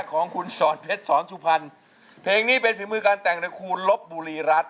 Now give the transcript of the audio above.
ของคุณสอนเพชรสอนสุพรรณเพลงนี้เป็นฝีมือการแต่งในครูลบบุรีรัฐ